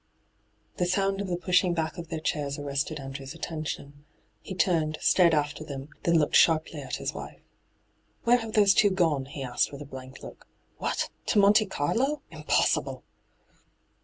The sound of the pushing back of their chairs arrested Andrew's attention. He turned, stared after them, then looked sharply at his wife. ' Where have those two gone V he asked with a blank look. ' What ! to Monte Carlo ? Impossible